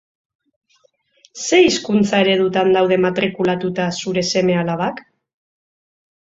Ze hizkuntza eredutan daude matrikulatuta zure seme-alabak?